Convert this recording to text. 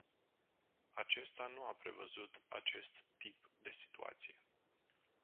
Acesta nu a prevăzut acest tip de situație.